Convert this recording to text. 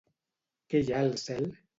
Què hi ha al cel?